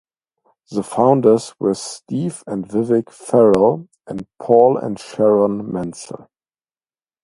The founders were Steve and Vicki Farrell and Paul and Sharon Menzel.